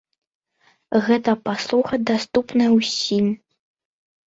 Гэта паслуга даступная ўсім?